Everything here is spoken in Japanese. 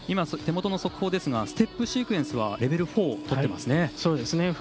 手元の速報ですがステップシークエンスではレベル４を取っていますね。